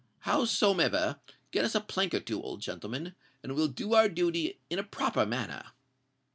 Howsomever, get us a plank or two, old gentleman; and we'll do our duty in a proper manner."